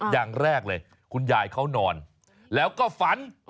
อย่างแรกเลยคุณยายเขานอนแล้วก็ฝัน